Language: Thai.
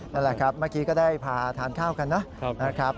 นั่นแหละครับเมื่อกี้ก็ได้พาทานข้าวกันนะครับ